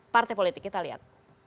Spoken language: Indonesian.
partai politik kita lihat